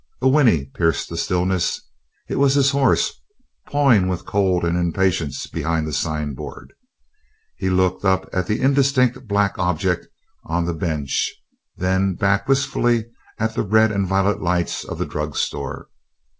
A whinny pierced the stillness. It was his horse pawing with cold and impatience behind the signboard. He looked up at the indistinct black object on the bench, then back wistfully at the red and violet lights of the drug store.